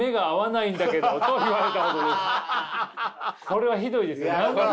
これはひどいですね。